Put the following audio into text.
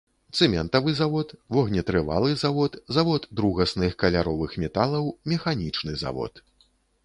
Цэментавы завод, вогнетрывалы завод, завод другасных каляровых металаў, механічны завод.